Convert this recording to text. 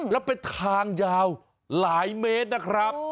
แล้วเป็นทางยาวหลายเมตรนะครับ